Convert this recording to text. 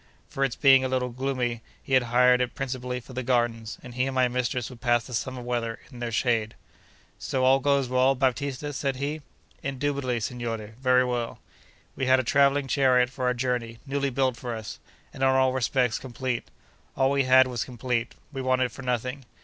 For its being a little gloomy, he had hired it principally for the gardens, and he and my mistress would pass the summer weather in their shade. 'So all goes well, Baptista?' said he. 'Indubitably, signore; very well.' We had a travelling chariot for our journey, newly built for us, and in all respects complete. All we had was complete; we wanted for nothing.